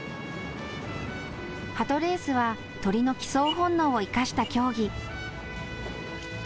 はとレースは鳥の帰巣本能を生かした競技。